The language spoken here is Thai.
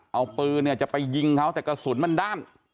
เอาปื่นจะไปยิงเค้าแต่กระสุนมันด้าน